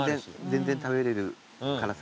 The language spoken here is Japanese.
全然食べれる辛さだ。